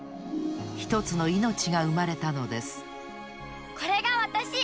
ひとつのいのちがうまれたのですこれがわたし！